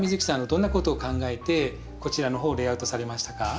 どんなことを考えてこちらの方レイアウトされましたか？